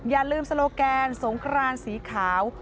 อย่าลืมโซโลแกนสงครานสีขาว